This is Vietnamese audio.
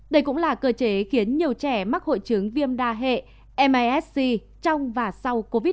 đây cũng là cơ chế khiến nhiều trẻ mắc hội chứng viêm đa hệ mis c trong và sau covid một mươi chín